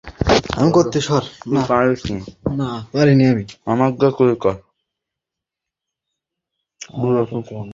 বুড়ো, চুপ কর।